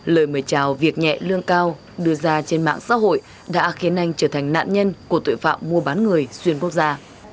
lời mời chào việc nhẹ lương cao đưa ra trên mạng xã hội đã khiến anh trở thành nạn nhân của tội phạm mua bán người xuyên quốc gia